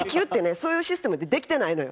そういうシステムでできてないのよ。